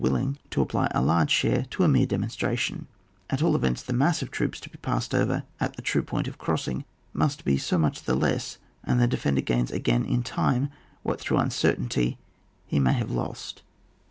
139 willing to apply a large share to a mere demonstration : at all events the mass of troops to be passed over at the true point of crossing must be so much the less, and the defender gains again in time what through uncertainty he may have lost.